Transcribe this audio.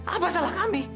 apa salah kami